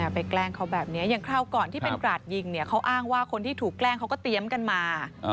แกล้งเขาแบบนี้อย่างคราวก่อนที่เป็นกราดยิงเนี่ยเขาอ้างว่าคนที่ถูกแกล้งเขาก็เตรียมกันมา